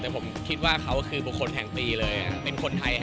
แต่ผมคิดว่าเขาคือบุคคลแห่งปีเลย